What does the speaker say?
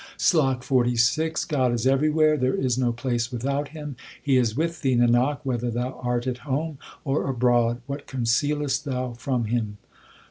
SLOK XLVI God is everywhere, there is no place without Him ; He is with thee, Nanak, whether thou art at home or abroad ; what concealest thou from Him